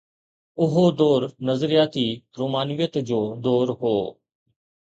اهو دور نظرياتي رومانويت جو دور هو.